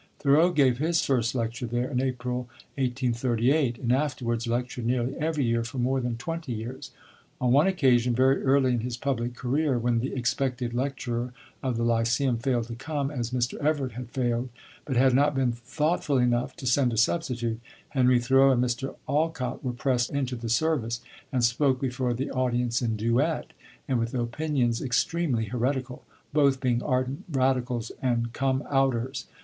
Thoreau gave his first lecture there in April, 1838, and afterwards lectured nearly every year for more than twenty years. On one occasion, very early in his public career, when the expected lecturer of the Lyceum failed to come, as Mr. Everett had failed, but had not been thoughtful enough to send a substitute, Henry Thoreau and Mr. Alcott were pressed into the service, and spoke before the audience in duet, and with opinions extremely heretical, both being ardent radicals and "come outers."